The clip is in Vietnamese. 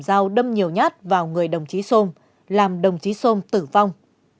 dao đâm nhiều nhát vào người đồng chí sôm làm đồng chí sôm tử vong